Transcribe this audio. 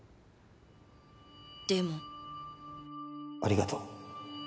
でもありがとう。